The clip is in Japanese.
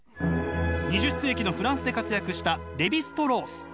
２０世紀のフランスで活躍したレヴィ＝ストロース。